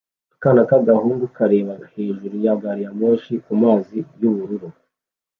Akana k'agahungu kareba hejuru ya gariyamoshi ku mazi y'ubururu